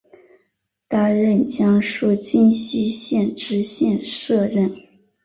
担任江苏荆溪县知县摄任。